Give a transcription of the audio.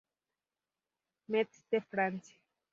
Metz de Francia.